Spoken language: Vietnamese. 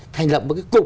thành động một cái cục